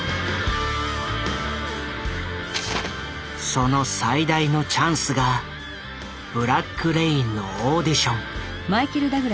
その最大のチャンスが「ブラック・レイン」のオーディション。